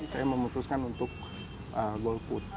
saya memutuskan untuk golput